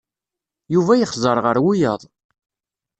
Yuba yexẓer ɣer wiyaḍ.